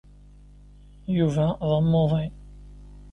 Yuba d amuḍin.